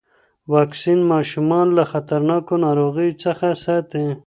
واکسین ماشومان له خطرناکو ناروغیو څخه ساتي.